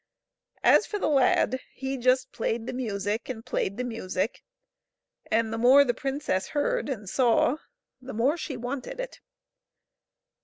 As for the lad, he just played the music and played the music, and the more the princess heard and saw the more she wanted it.